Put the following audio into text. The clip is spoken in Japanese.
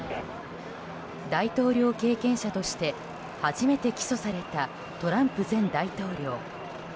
大統領経験者として初めて起訴されたトランプ前大統領。